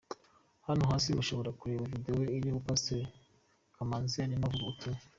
Hano hasi mushobora kureba video iriho Pastori Kamanzi arimo avuga ubutumwa.